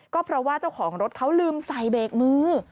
ก็เพราะว่าเจ้าของรถเขาลืมใส่เบรกมือ